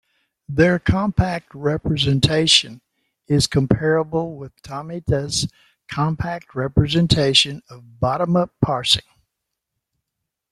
Their compact representation is comparable with Tomita’s compact representation of bottom-up parsing.